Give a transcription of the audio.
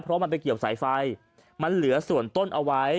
เพราะมันไปเกี่ยวสายไฟมันเหลือส่วนต้นเอาไว้